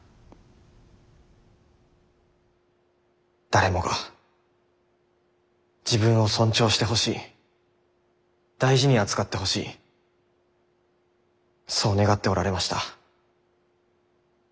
誰もが自分を尊重してほしい大事に扱ってほしいそう願っておられました。